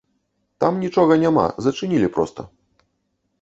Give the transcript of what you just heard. Там нічога няма, зачынілі проста.